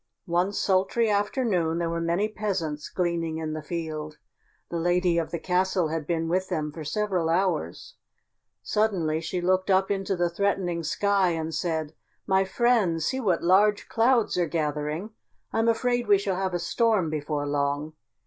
One sultry afternoon there were many peasants gleaning in the field. The lady of the castle had been with them for several hours. Suddenly she looked up into the threatening sky and said, "My friends, see what large clouds are gathering. I'm afraid we shall have a storm before long.